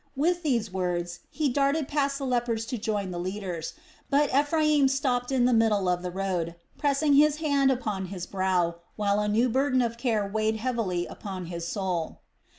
With these words he darted past the lepers to join the leaders; but Ephraim stopped in the middle of the road, pressing his hand upon his brow, while a new burden of care weighed heavily upon his soul.